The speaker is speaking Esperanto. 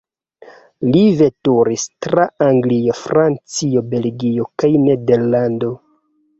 Li veturis tra Anglio, Francio, Belgio kaj Nederlando.